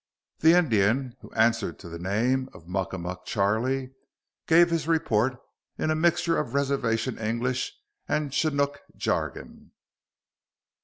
The Indian, who answered to the name of Muckamuck Charlie, gave his report in a mixture of reservation English and Chinook jargon.